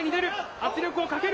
圧力をかける。